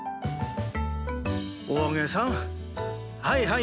はい！